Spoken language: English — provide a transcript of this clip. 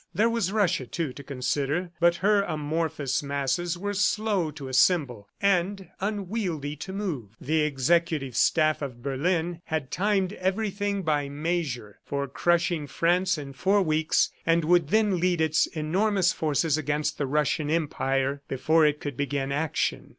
There was Russia, too, to consider, but her amorphous masses were slow to assemble and unwieldy to move. The Executive Staff of Berlin had timed everything by measure for crushing France in four weeks, and would then lead its enormous forces against the Russian empire before it could begin action.